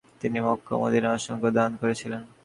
তিনি মক্কা ও মদিনায় অসংখ্য দান করেছিলেন ।